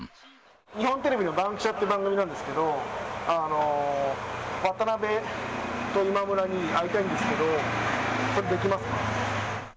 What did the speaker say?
日本テレビのバンキシャ！っていう番組なんですけど、渡辺と今村に会いたいんですけど、それ、できますか。